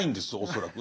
恐らく。